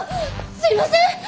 すいません！